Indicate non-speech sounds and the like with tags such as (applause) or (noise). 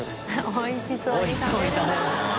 おいしそうに食べる (laughs)